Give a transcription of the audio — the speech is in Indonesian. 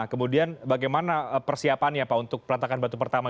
kemudian bagaimana persiapan ya pak untuk peletakan batu pertama